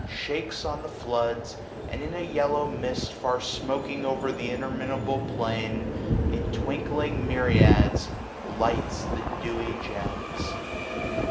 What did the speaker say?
Shakes on the floods, and in a yellow mist. Far smoaking o'er th* interminable plain. In twinkling myriads lights the dewy gems.